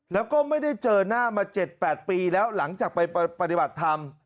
แล้วก็ไม่ได้เจอหน้ามา๗๘ปีแล้วหลังจากไปปฏิบัติธรรม